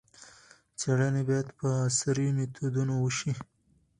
څېړنې باید په عصري میتودونو وشي.